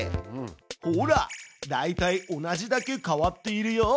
ほらだいたい同じだけ変わっているよ。